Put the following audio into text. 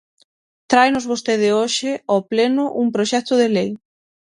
Tráenos vostede hoxe ao pleno un proxecto de lei.